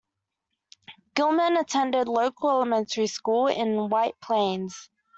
Gilman attended local elementary school in White Plains.